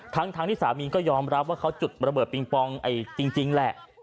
ทั้งที่สามีก็ยอมรับว่าเขาจุดระเบิดปิงปองจริงแหละ